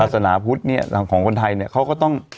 อาสนาพุทธนี่ของคนไทยเขาก็ต้อง